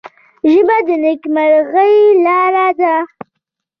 ژبه د نیکمرغۍ لاره ده